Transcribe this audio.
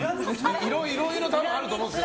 いろいろあると思うんです。